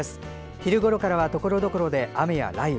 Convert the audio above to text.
昼ごろからはところどころで雨や雷雨。